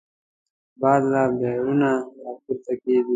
باد له بحرونو راپورته کېږي